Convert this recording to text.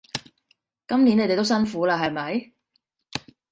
今年你哋都辛苦喇係咪？